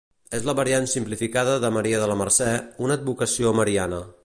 És la variant simplificada de Maria de la Mercè, una advocació mariana.